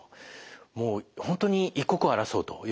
もう本当に一刻を争うということ。